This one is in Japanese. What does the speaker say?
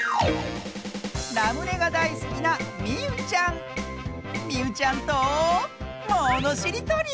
ラムネがだいすきなみうちゃんとものしりとり！